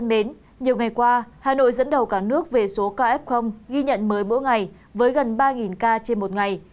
nhiều ngày qua hà nội dẫn đầu cả nước về số ca f ghi nhận mới mỗi ngày với gần ba ca trên một ngày